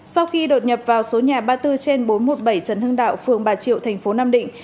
sau khi đột nhập vào số nhà ba mươi bốn trên bốn trăm một mươi bảy trần hưng đạo phường bà triệu thành phố nam định